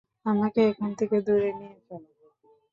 আমাকে এখান থেকে দূরে নিয়ে চলো।